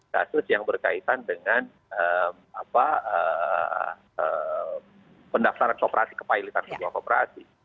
kasus yang berkaitan dengan pendaftaran keoperasi kepahilitan keoperasi